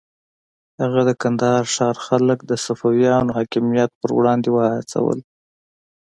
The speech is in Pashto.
هغه د کندهار ښار خلک د صفویانو حاکمیت پر وړاندې وهڅول.